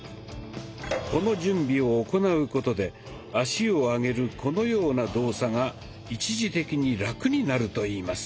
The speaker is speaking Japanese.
この準備を行うことで足を上げるこのような動作が一時的にラクになるといいます。